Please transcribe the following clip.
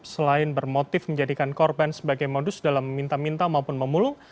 selain bermotif menjadikan korban sebagai modus dalam meminta minta maupun memulung